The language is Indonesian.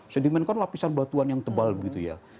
sediment kan lapisan batuan yang tebal gitu ya